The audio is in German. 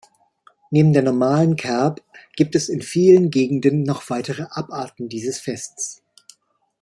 Neben der „normalen“ Kerb gibt es in vielen Gegenden noch weitere Abarten dieses Festes.